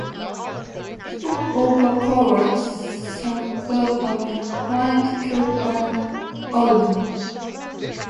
Spock overpowers some guards and finds Kirk and Odona.